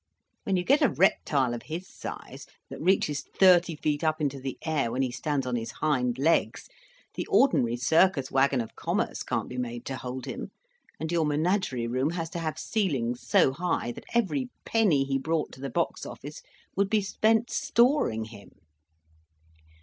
When you get a reptile of his size, that reaches thirty feet up into the air when he stands on his hind legs, the ordinary circus wagon of commerce can't be made to hold him, and your menagerie room has to have ceilings so high that every penny he brought to the box office would be spent storing him."